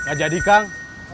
nggak jadi kang